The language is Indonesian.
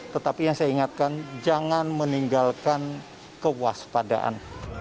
tetapi yang saya ingatkan jangan meninggalkan kewaspadaan